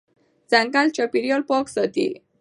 ځنګل چاپېریال پاک ساتي.